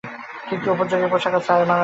ঠিক তোর উপযোগী পোশাক আছে আমার আছে।